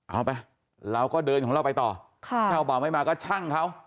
เอาไปเราก็เดินของเราไปต่อเช่าบ่อไม่มาก็ช่างเขา